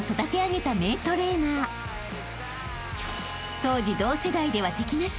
［当時同世代では敵なし］